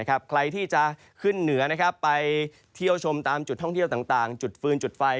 ใครที่จะขึ้นเหนือไปเที่ยวชมตามจุดท่องเที่ยวต่างจุดฟืนจุดไฟ